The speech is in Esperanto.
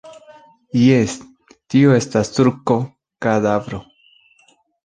Jes, tio estas turko, kadavro.